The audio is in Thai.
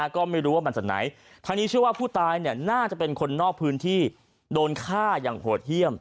ก็ไม่รู้ว่ามาจากไหนทางนี้เชื่อว่าผู้ตายน่าจะเป็นคนนอกพื้นที่โดนฆ่าอย่างโหดเยี่ยม